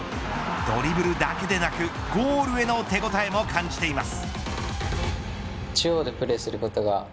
ドリブルだけでなくゴールへの手応えも感じています。